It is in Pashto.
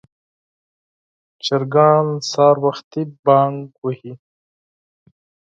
چرګان سهار وختي بانګ وهي.